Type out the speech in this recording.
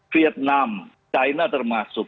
vietnam china termasuk